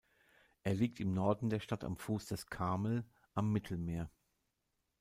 Er liegt im Norden der Stadt am Fuß des Karmel am Mittelmeer.